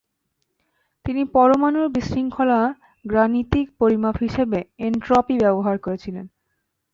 তিনি পরমাণুর বিশৃঙ্খলার গাণিতিক পরিমাপ হিসেবে এনট্রপি ব্যবহার করেছিলেন।